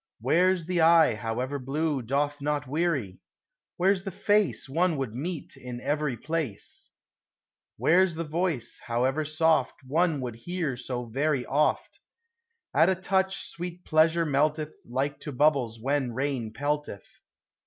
Where 's the eye, however blue, Doth not weary ? Where 's the face One would meet in every place ? Where 's the voice, however soft, One would hear so very oft ? At a touch sweet Pleasure melteth Like to bubbles when rain pelteth.